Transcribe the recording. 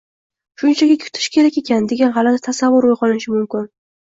shunchaki kutish kerak ekan”, degan g‘alati tasavvur uyg‘onishi mumkin.